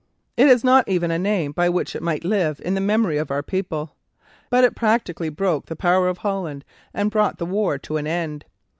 It has not even a name by which it might live in the memory of our people. But it practically broke the power of Holland and brought the war to an end.